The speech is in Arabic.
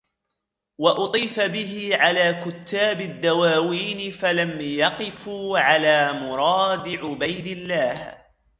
وَأُطِيفَ بِهِ عَلَى كُتَّابِ الدَّوَاوِينِ فَلَمْ يَقِفُوا عَلَى مُرَادِ عُبَيْدِ اللَّهِ